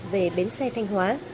về bến xe thanh hóa